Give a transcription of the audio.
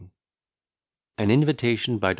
] AN INVITATION, BY DR.